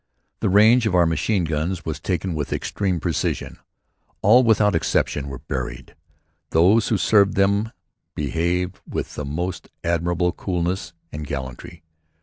The range of our machine guns was taken with extreme precision. All, without exception, were buried. Those who served them behaved with the most admirable coolness and gallantry.